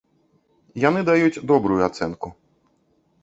Яны даюць добрую ацэнку.